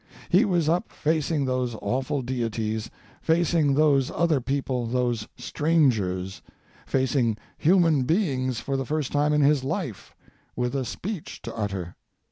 He was up facing those awful deities—facing those other people, those strangers—facing human beings for the first time in his life, with a speech to utter.